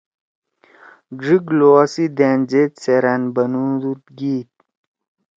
ڙیِک لوا سی دأن زید سیرأن بنُودُود گیت